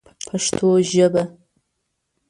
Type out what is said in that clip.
پښتو ژبه